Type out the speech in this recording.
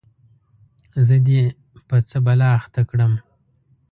زه دي په څه بلا اخته کړم ؟